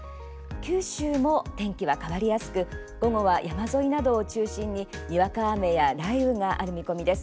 九州も天気は変わりやすく午後は山沿いなどを中心ににわか雨や雷雨がある見込みです。